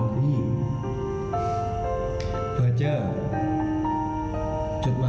พระเจอร์จดหมายถึงผู้โทษยังเรา